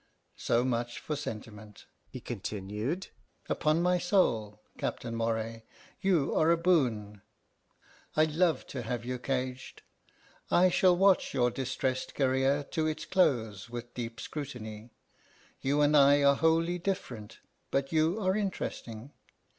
So much for sentiment," he continued. "Upon my soul, Captain Moray, you are a boon. I love to have you caged. I shall watch your distressed career to its close with deep scrutiny. You and I are wholly different, but you are interesting.